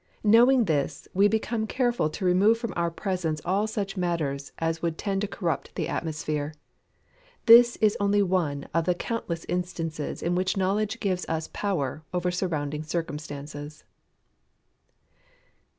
Knowing this, we become careful to remove from our presence all such matters as would tend to corrupt the atmosphere. This is only one of the countless instances in which knowledge gives us power over surrounding circumstances.